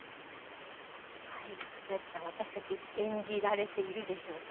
古さん私たち演じられているでしょうか？